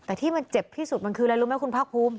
แต่ที่มันเจ็บที่สุดมันคืออะไรรู้ไหมคุณภาคภูมิ